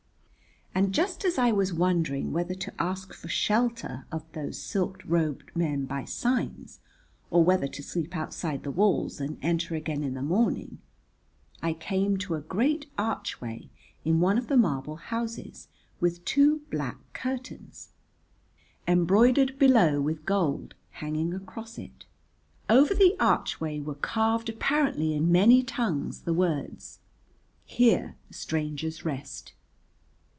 And just as I was wondering whether to ask for shelter of those silk robed men by signs or whether to sleep outside the walls and enter again in the morning, I came to a great archway in one of the marble houses with two black curtains, embroidered below with gold, hanging across it. Over the archway were carved apparently in many tongues the words: "Here strangers rest."